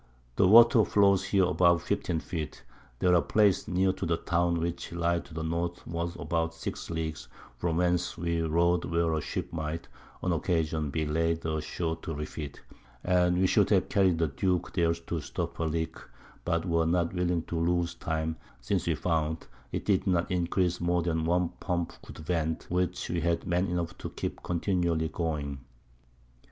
The Water flows here above 15 Foot; there are Places near to the Town which lie to the Northward about 6 Leagues, from whence we rode where a Ship might, on Occasion, be laid a shoar to refit; and we should have carry'd the Duke there to stop her Leak, but were not willing to loose Time, since we found it did not encrease more than one Pump could vent, which we had Men enough to keep continually going.